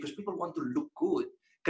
karena orang ingin terlihat baik